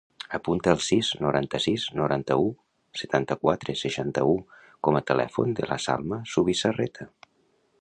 Apunta el sis, noranta-sis, noranta-u, setanta-quatre, seixanta-u com a telèfon de la Salma Zubizarreta.